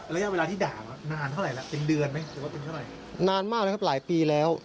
ระยะเวลาที่ด่านานเท่าไหร่แล้ว